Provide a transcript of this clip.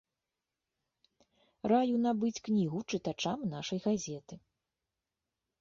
Раю набыць кнігу чытачам нашай газеты.